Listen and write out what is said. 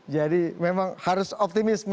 jadi memang harus optimis